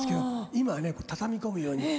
今は畳み込むように。